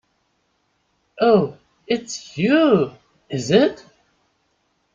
Oh, it's you, is it?